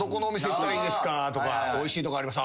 おいしいとこあります？